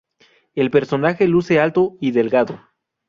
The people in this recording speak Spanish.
El personaje luce alto y delgado.